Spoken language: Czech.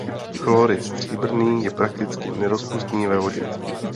Chlorid stříbrný je prakticky nerozpustný ve vodě.